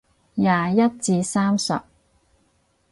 廿一至三十